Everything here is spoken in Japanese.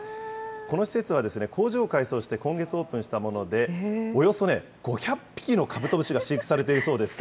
この施設は工場を改装して、今月オープンしたもので、およそね、５００匹のカブトムシが飼育されているそうです。